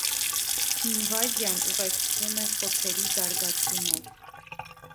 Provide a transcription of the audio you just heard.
Ինվազիան ուղեկցվում է խոցերի զարգացումով։